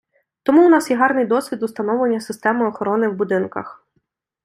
Тому в нас є гарний досвід установлення систем охорони в будинках.